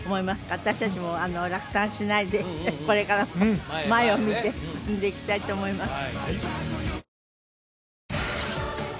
私達も落胆しないでこれからも前を見て進んでいきたいと思います